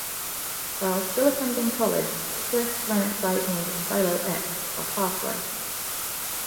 While still attending college Cliffe ran a site named "Silo X" for "Half-Life".